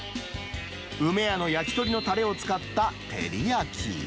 梅やの焼き鳥のたれを使ったテリヤキ。